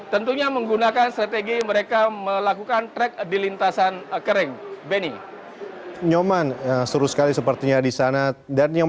tentunya menggunakan strategi mereka melakukan track di lintasan kering benny